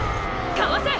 かわせっ！